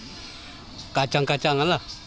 ya kacang kacangan lah